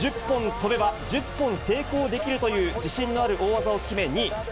１０本飛べば１０本成功できるという自信のある大技を決め２位。